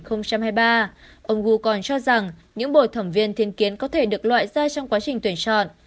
ông gould còn cho rằng những bồi thẩm viên thiên kiến có thể được loại ra trong quá trình tuyển chọn